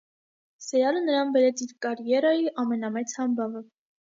Սերիալը նրան բերեց իր կարիերայի ամենամեծ համբավը։